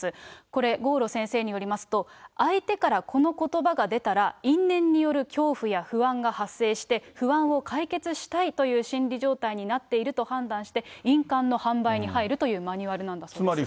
これ、郷路先生によりますと、相手からこのことばが出たら、因縁による恐怖や不安が発生して、不安を解決したいという心理状態になっていると判断して、印鑑の販売に入るというマニュアルなんだそうです。